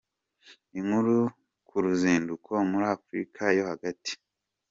Inkuru ku ruzinduko muri Africa yo hagati”.